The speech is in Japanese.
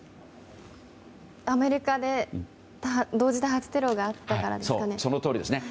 アメリカで同時多発テロがあったからですかね？